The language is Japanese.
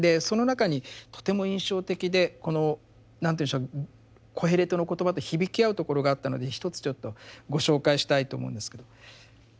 その中にとても印象的でこの何というんでしょう「コヘレトの言葉」と響き合うところがあったのでひとつちょっとご紹介したいと思うんですけど。